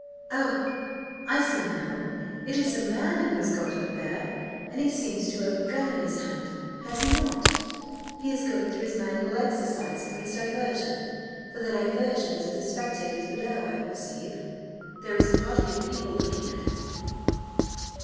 Oh! I see now, it is a man who has got up there, and he seems to have a gun in his hand, has not he? He is going through his manual exercise for his diversion for the diversion of the spectators below, I perceive there is a party of people looking at him."